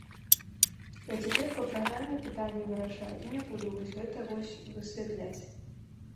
Я цяпер па праграме пытанні вырашаю і не буду вось гэта вось высвятляць.